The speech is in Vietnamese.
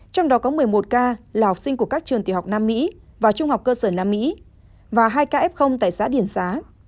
trong đó có một mươi một ca là học sinh của các trường tiểu học nam mỹ và trung học cơ sở nam mỹ và hai ca f tại xã điển xá